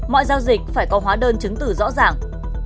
mọi giao dịch phải có hóa đơn chứng từ rõ ràng